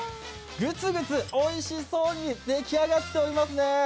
ぐつぐつ、おいしそうに出来上がってますね。